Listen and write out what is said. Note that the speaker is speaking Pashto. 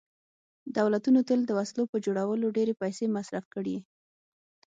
دولتونو تل د وسلو په جوړولو ډېرې پیسې مصرف کړي